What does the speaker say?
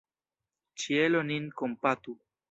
Ĉielo nin kompatu!